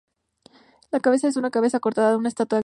La cabeza es una cabeza cortada de una estatua griega.